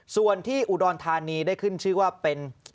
ส่วนที่อุดรธานีได้ขึ้นชื่อว่าเป็น